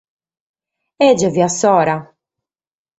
E giai fiat s’ora!